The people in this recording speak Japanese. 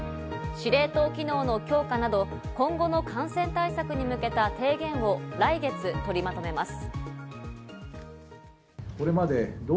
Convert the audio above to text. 司令塔機能の強化など今後の感染対策に向けた提言を来月、取りまとめます。